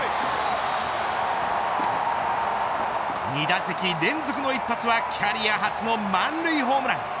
２打席連続の一発はキャリア初の満塁ホームラン。